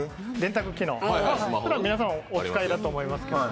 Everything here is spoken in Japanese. ふだん皆さんお使いだと思います。